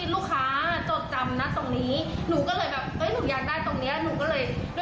หนูก็เลยแบบหนูอยากได้ตรงนี้